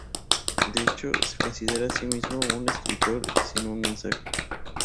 De hecho, se considera a sí mismo un escritor sin un mensaje.